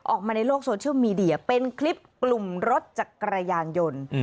ออกมาในโลกโซเชียลมีเดียเป็นคลิปกลุ่มรถจักรยานยนต์